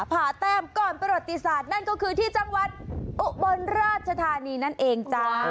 ผ่าแต้มก่อนประวัติศาสตร์นั่นก็คือที่จังหวัดอุบลราชธานีนั่นเองจ้า